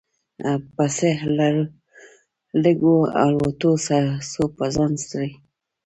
په څه لږو الوتو سو په ځان ستړی